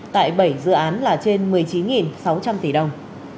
tại bảy dự án là trên một mươi chín sáu trăm linh tỷ đồng